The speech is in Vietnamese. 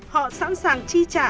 họ sẵn sàng chi trả